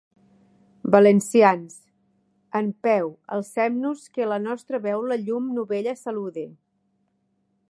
Valencians: en peu alcem-nos que la nostra veu la llum novella salude.